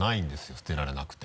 捨てられなくて。